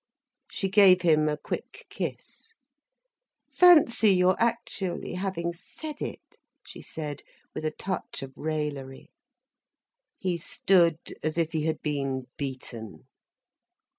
She gave him a quick kiss. "Fancy your actually having said it," she said with a touch of raillery. He stood as if he had been beaten.